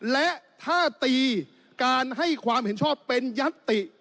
และถ้าตีการให้ความเห็นชอบเป็นยัตติ